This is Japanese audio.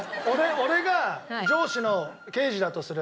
俺が上司の刑事だとする。